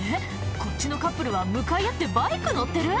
こっちのカップルは向かい合ってバイク乗ってる？